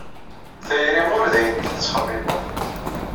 Tayri ur d ayen tettxemmimed.